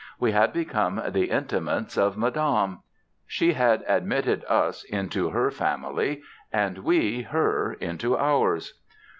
We had become the intimates of Madame. She had admitted us into her family and we her into ours.